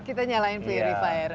kita nyalakan purifier